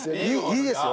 いいですよ。